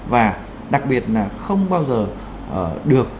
và đặc biệt là không bao giờ được